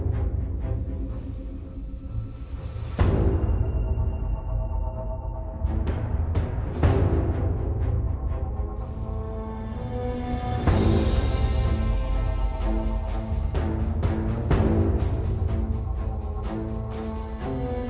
ใช่ครับครับ